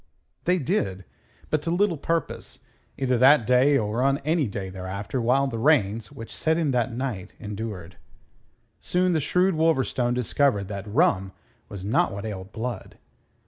They did; but to little purpose, either that day or on any day thereafter while the rains which set in that night endured. Soon the shrewd Wolverstone discovered that rum was not what ailed Blood.